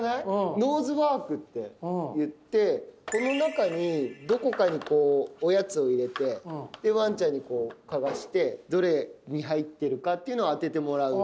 ノーズワークっていってこの中にどこかにこうおやつを入れてでワンちゃんにこう嗅がしてどれに入ってるかっていうのを当ててもらう。